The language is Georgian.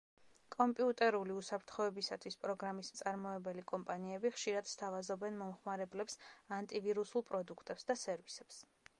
კომპიუტერული უსაფრთხოებისათვის პროგრამის მწარმოებელი კომპანიები ხშირად სთავაზობენ მომხმარებლებს ანტივირუსულ პროდუქტებს და სერვისებს.